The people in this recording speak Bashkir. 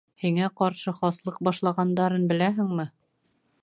Һиңә ҡаршы хаслыҡ башлағандарын беләһеңме?